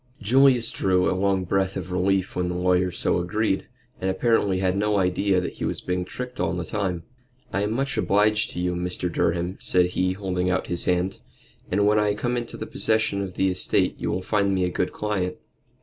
Julius drew a long breath of relief when the lawyer so agreed, and apparently had no idea that he was being tricked all the time. "I am much obliged to you, Mr. Durham," said he, holding out his hand, "and when I come into possession of the estate you will find me a good client."